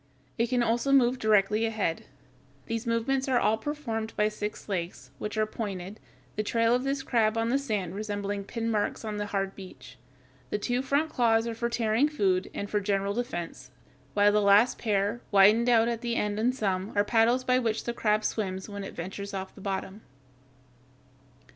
It can also move directly ahead. These movements are all performed by six legs, which are pointed, the trail of this crab on the sand resembling pin marks on the hard beach. The two front claws are for tearing food and for general defense, while the last pair, widened out at the end in some, are paddles by which the crab swims when it ventures off the bottom.